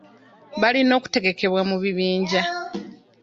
Balina okutegekebwa mu bibinja.